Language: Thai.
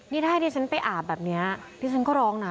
นี่ถ้าให้ดิฉันไปอาบแบบนี้ดิฉันก็ร้องนะ